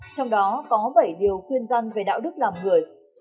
trong đó có bảy điều quyên dân về đạo đức làm người